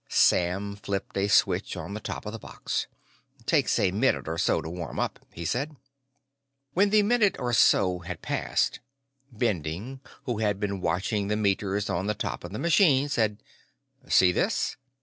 Sam flipped a switch on the top of the box. "Takes a minute or so to warm up," he said. When the "minute or so" had passed, Bending, who had been watching the meters on the top of the machine, said: "See this?"